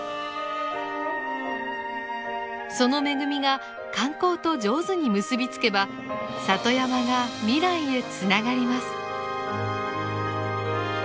その恵みが観光と上手に結び付けば里山が未来へつながります。